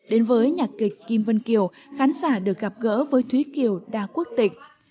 đến với nhạc kịch kim vân kiều khán giả được gặp gỡ với thúy kiều đa quốc tịch